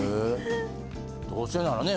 どうせならね